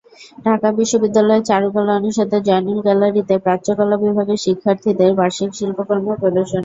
ঢাকা বিশ্ববিদ্যালয়ের চারুকলা অনুষদের জয়নুল গ্যালারিতে প্রাচ্যকলা বিভাগের শিক্ষার্থীদের বার্ষিক শিল্পকর্ম প্রদর্শনী।